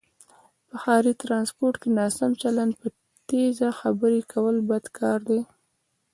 په ښاری ټرانسپورټ کې ناسم چلند، په تیزه خبرې کول بد کاردی